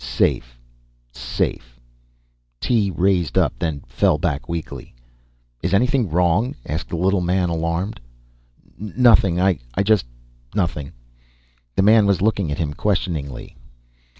Safe! Safe! Tee raised up, then fell back weakly. "Is anything wrong?" asked the little man, alarmed. "N ... nothing, I just ... nothing!" The man was looking at him questioningly.